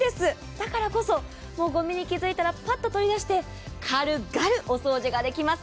だからこそ、もうごみに気づいたらパッと取り出して軽々お掃除できます。